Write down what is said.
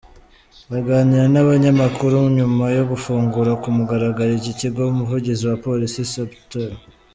Aganira n’abanyamakuru nyuma yo gufungura ku mugaragaro iki kigo, Umuvugizi wa Police, Supt.